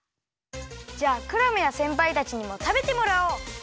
じゃあクラムやせんぱいたちにもたべてもらおう！